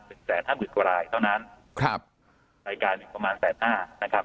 แสนห้าหมื่นกว่ารายเท่านั้นครับรายการหนึ่งประมาณแสนห้านะครับ